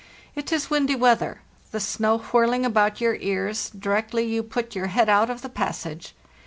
It is windy weather, the snow whirling about your ears, directly you put your head out of the passage.